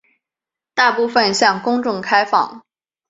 大部分向公众开放。